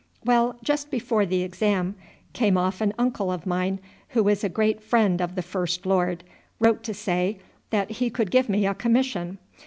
"Well, just before the exam, came off an uncle of mine, who is a great friend of the first lord, wrote to say that he could get me a commission.